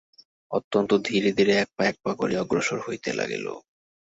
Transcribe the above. অত্যন্ত ধীরে ধীরে এক পা এক পা করিয়া অগ্রসর হইতে লাগিল।